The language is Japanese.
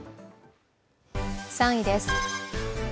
３位です。